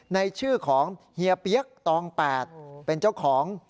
ในชื่อของเฮียเปี๊ยกตอง๘เป็นเจ้าของ